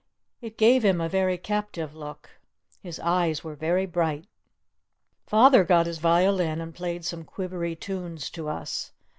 It gave him a very captive look. His eyes were very bright. Father got his violin and played some quivery tunes to us.